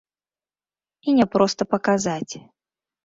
І не проста паказаць.